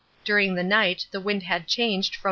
During the night the wind had changed from N.